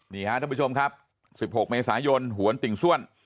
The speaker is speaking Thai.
นี่ฮะท่านผู้ชมครับ๑๖เมษายนหวนติ่งส้วน